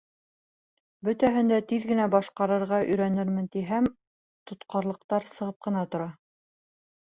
Бөтәһен дә тиҙ генә башҡарырға өйрәнермен тиһәм, тотҡарлыҡтар сығып ҡына тора.